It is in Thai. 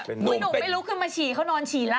พี่หนูไม่ลุกขึ้นมาฉี่เขานอนฉี่ล่า